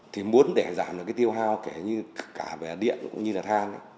thì muốn để giảm tiêu hoa kể cả về điện cũng như là than